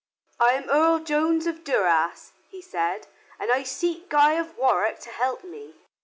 "I am Earl Jonas of Durras," he said, "and I seek Guy of Warwick to help me."